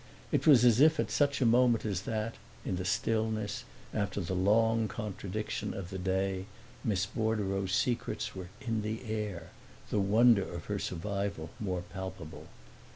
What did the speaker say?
It was as if at such a moment as that, in the stillness, after the long contradiction of the day, Miss Bordereau's secrets were in the air, the wonder of her survival more palpable.